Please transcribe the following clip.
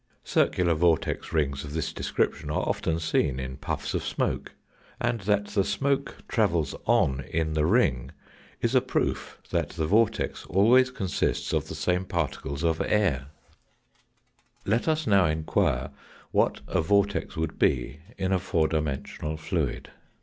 Circular vortex rings of this description are often seen in puffs of smoke, and that the smoke travels on in the ring is a proof that the vortex always consists of the same particles of ai: THE EVIDENCES FOR A FOURTH DIMENSION 83 Let us now enquire what a vortex would be in a four dimensional fluid.